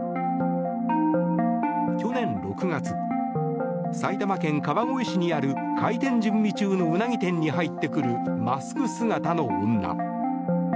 去年６月、埼玉県川越市にある開店準備中のウナギ店に入ってくるマスク姿の女。